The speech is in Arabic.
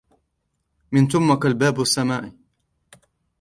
من تمك لباب السماء!